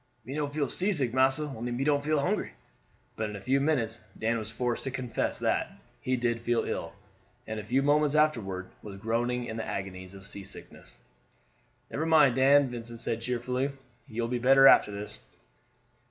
"Me no feel seasick, massa; only me don't feel hungry." But in a few minutes Dan was forced to confess that; he did feel ill, and a few moments afterward was groaning in the agonies of seasickness. "Never mind, Dan," Vincent said cheerfully. "You will be better after this."